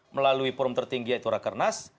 melalui forum tertinggi yaitu rakhir nas